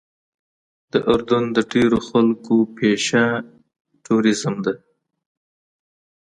د اردن د ډېرو خلکو پیشه ټوریزم ده.